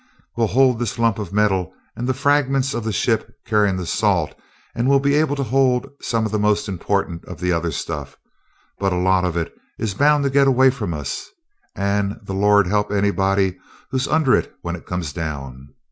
"We'll hold this lump of metal and the fragment of the ship carrying the salt; and we'll be able to hold some of the most important of the other stuff. But a lot of it is bound to get away from us and the Lord help anybody who's under it when it comes down!